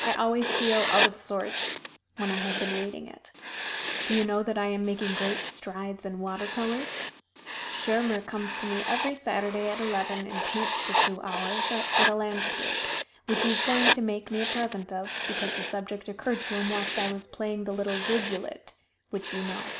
I always feel out of sorts when I have been reading it. Do you know that I am making great strides in water colors? Schirmer comes to me every Saturday at eleven, and paints for two hours at a landscape, which he is going to make me a present of, because the subject occurred to him whilst I was playing the little "Rivulet" (which you know).